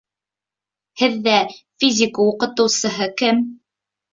Һеҙҙә физика уҡытыусыһы кем?